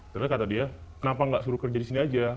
terus kata dia kenapa nggak suruh kerja di sini aja